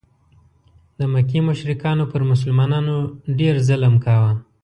د مکې مشرکانو پر مسلمانانو ډېر ظلم کاوه.